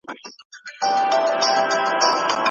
سياستپوهان د واک مطالعه څنګه ترسره کوي؟